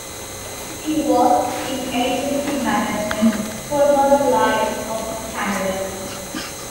He worked in agency management for Northern Life of Canada.